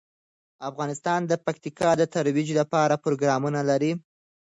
افغانستان د پکتیکا د ترویج لپاره پروګرامونه لري.